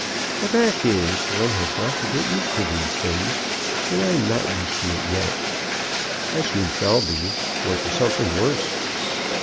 The fact is, one has got to get used to these things, and I am not used to it yet. I soon shall be, or to something worse."